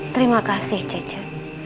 terima kasih jeje